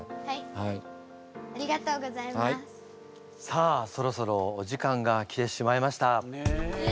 さあそろそろお時間がきてしまいました。